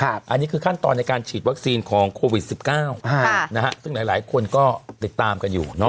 อันนี้คือขั้นตอนในการฉีดวัคซีนของโควิด๑๙ซึ่งหลายคนก็ติดตามกันอยู่